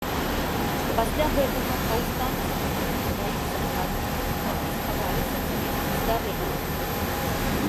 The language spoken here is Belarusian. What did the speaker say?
Пасля гэтага паўстанцы выкралі траіх закладнікаў і схаваліся з месца здарэння.